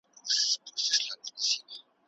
هغه د سبا ژمنه نه کوي.